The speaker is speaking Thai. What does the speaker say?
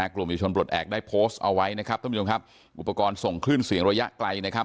กลุ่มเยาวชนปลดแอบได้โพสต์เอาไว้นะครับท่านผู้ชมครับอุปกรณ์ส่งคลื่นเสียงระยะไกลนะครับ